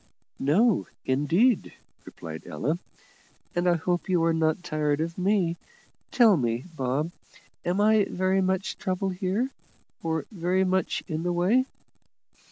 "No, indeed," replied Ella; "and I hope you are not tired of me. Tell me, Bob, am I very much trouble here, or very much in the way?"